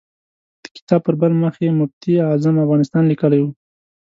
د کتاب پر بل مخ یې مفتي اعظم افغانستان لیکلی و.